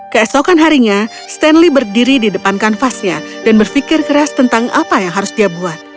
keesokan harinya stanley berdiri di depan kanvasnya dan berpikir keras tentang apa yang harus dia buat